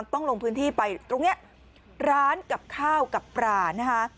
ต้องลงพื้นที่ไปตรงนี้ร้านกับข้าวกับปลานะคะ